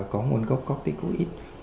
có nguồn gốc copticoid